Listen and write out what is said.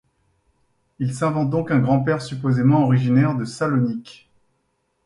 Il s'invente donc un grand-père supposément originaire de Salonique.